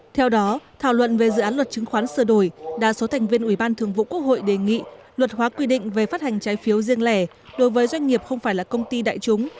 theo đó thảo luận về dự án luật chứng khoán sửa đổi đa số thành viên ủy ban thường vụ quốc hội đề nghị luật hóa quy định về phát hành trái phiếu riêng lẻ đối với doanh nghiệp không phải là công ty đại chúng